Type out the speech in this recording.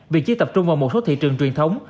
vị trí tập trung vào một số thị trường truyền thống